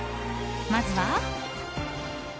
まずは。